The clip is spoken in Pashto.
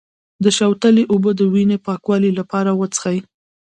د شوتلې اوبه د وینې پاکولو لپاره وڅښئ